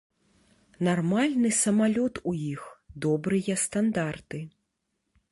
Нармальны самалёт у іх, добрыя стандарты.